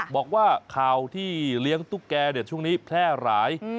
บอกว่าข่าวที่เลี้ยงตุ๊กแกช่วงนี้แพร่หลาย